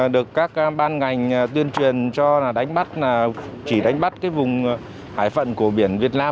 được các ban ngành tuyên truyền cho đánh bắt là chỉ đánh bắt cái vùng hải phận của biển việt nam